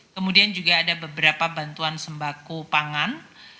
kemudian juga ada beberapa bantuan sembako pangan